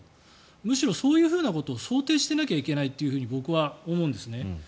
むしろ、そういうことを想定してなきゃいけないと僕は思うんですね。